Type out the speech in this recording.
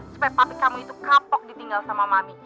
supaya pabrik kamu itu kapok ditinggal sama mami